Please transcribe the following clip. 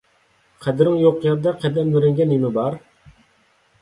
قەدرىڭ يوق يەردە قەدەملىرىڭگە نېمە بار؟